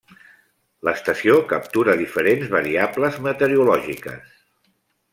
L'estació captura diferents variables meteorològiques.